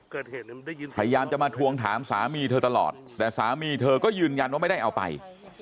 พยายามจะมาทวงถามสามีเธอตลอดแต่สามีเธอก็ยืนยันว่าไม่ได้เอาไป